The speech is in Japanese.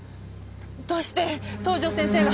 どうして東条先生が。